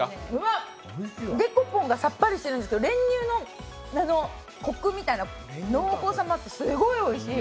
デコポンがさっぱりしてるんですけど、練乳の濃厚さもあって、すごいおいしい！